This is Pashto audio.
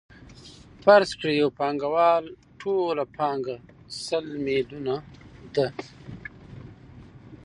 فرض کړئ د یو پانګوال ټوله پانګه سل میلیونه ده